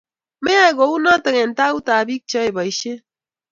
Meyay kunoto eng tautab biik cheyoe boishiet